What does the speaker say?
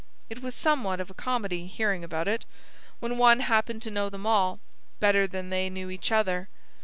It was somewhat of a comedy, hearing about it, when one happened to know them all, better than they knew each other.